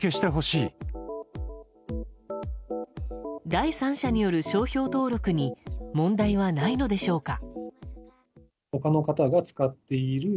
第三者による商標登録に問題はないのでしょうか。